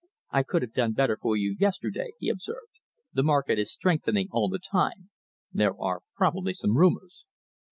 "I could have done better for you yesterday," he observed. "The market is strengthening all the time. There are probably some rumours."